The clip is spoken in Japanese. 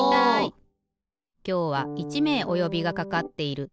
きょうは１めいおよびがかかっている。